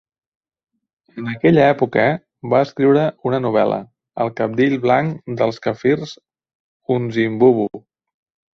En aquella època, va escriure una novel·la, "El cabdill blanc dels kaffirs Unzimbooboo".